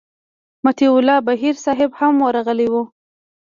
مطیع الله بهیر صاحب هم ورغلی و.